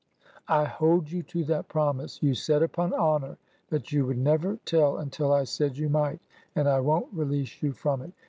'' I hold you to that promise. You said, upon honor, that you would never tell until I said you might, and I won't release you from it.